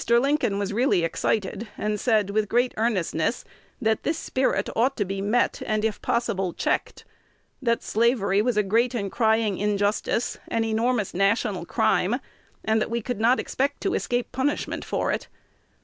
Lincoln was really excited, and said, with great earnestness, that this spirit ought to be met, and, if possible, checked; that slavery was a great and crying injustice, an enormous national crime, and that we could not expect to escape punishment for it.